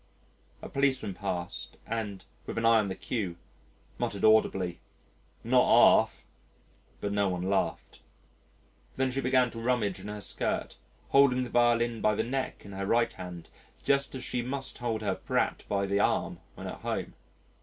A policeman passed and, with an eye on the queue, muttered audibly, "Not 'arf," but no one laughed. Then she began to rummage in her skirt, holding the violin by the neck in her right hand just as she must hold her brat by the arm when at home.